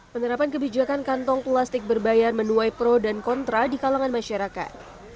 penerapan kebijakan kantong plastik berbayar menuai pro dan kontra di kalangan masyarakat